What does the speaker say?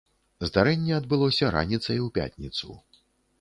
Здарэнне адбылося раніцай у пятніцу.